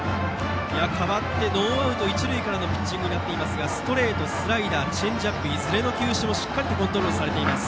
代わってノーアウト、一塁からのピッチングですがストレート、スライダーチェンジアップといずれの球種も、しっかりとコントロールされています。